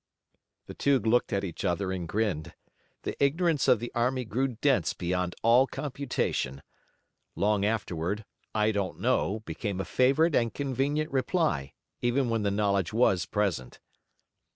The two looked at each other and grinned. The ignorance of the army grew dense beyond all computation. Long afterward, "I don't know," became a favorite and convenient reply, even when the knowledge was present.